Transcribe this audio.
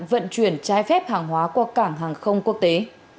vận chuyển trái phép hàng hóa qua cảng hàng không quốc tế